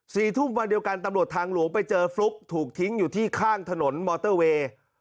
สี่ทุ่มวันเดียวกันตำรวจทางหลวงไปเจอฟลุ๊กถูกทิ้งอยู่ที่ข้างถนนมอเตอร์เวย์